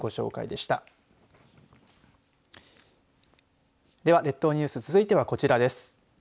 では列島ニュース続いてはこちらです。